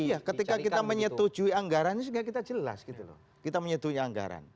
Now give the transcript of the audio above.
iya ketika kita menyetujui anggarannya sehingga kita jelas gitu loh kita menyetujui anggaran